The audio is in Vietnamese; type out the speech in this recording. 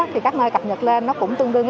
thì các nơi cập nhật lên nó cũng tương đương